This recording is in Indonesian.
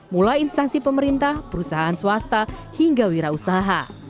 mulai instansi pemerintah perusahaan swasta hingga wira usaha